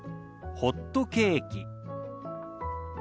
「ホットケーキ」。